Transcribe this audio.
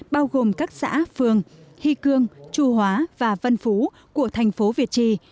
bao gồm các xã phương hy cương chù hóa và vân phú của thành phố việt trì